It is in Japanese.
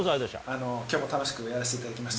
きょうも楽しくやらせていただきました。